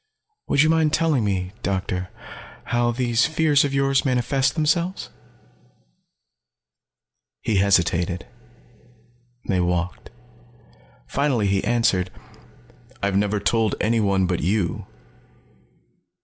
"Would you mind telling me, Doctor, how these fears of yours manifest themselves?" He hesitated; they walked. Finally he answered. "I've never told anyone but you.